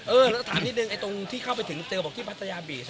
เราถามนิดนึงตรงที่เข้าไปถึงเจอบอกที่พัทยาบีช